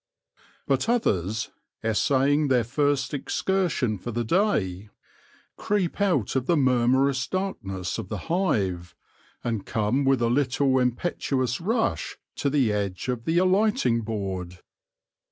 But others, essay ing their first excursion for the day, creep out of the 38 THE LORE OF THE HONEY BEE murmurous darkness of the hive, and come with a little impetuous rush to the edge of the alighting board.